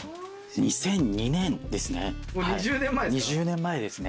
２００２年ですね。